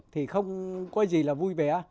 thì không có gì là vui vẻ